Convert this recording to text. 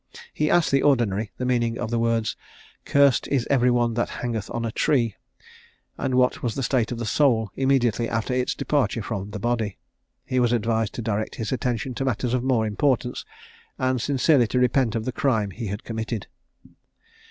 He asked the Ordinary the meaning of the words "Cursed is every one that hangeth on a tree;" and what was the state of the soul immediately after its departure from the body? He was advised to direct his attention to matters of more importance, and sincerely to repent of the crimes he had committed.